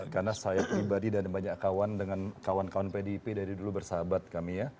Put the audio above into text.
karena saya pribadi dan banyak kawan dengan kawan kawan pdip dari dulu bersahabat kami ya